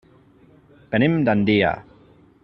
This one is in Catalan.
Venim d'Andilla.